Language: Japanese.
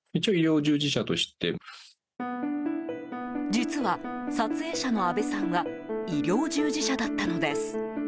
実は、撮影者の阿部さんは医療従事者だったのです。